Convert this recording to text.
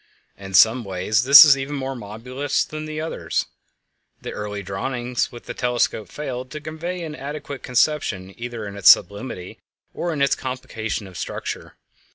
In some ways this is even more marvelous than the others. The early drawings with the telescope failed to convey an adequate conception either of its sublimity or of its complication of structure.